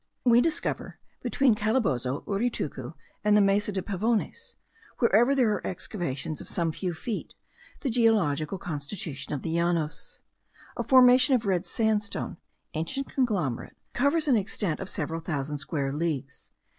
We discover, between Calabozo, Uritucu, and the Mesa de Pavones, wherever there are excavations of some feet deep, the geological constitution of the Llanos. A formation of red sandstone (ancient conglomerate) covers an extent of several thousand square leagues.